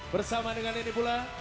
bersama dengan ini pula